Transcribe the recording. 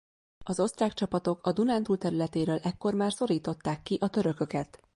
Az osztrák csapatok a Dunántúl területéről ekkor már szorították ki a törököket.